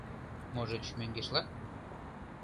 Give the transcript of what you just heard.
— Можыч, мӧҥгешла?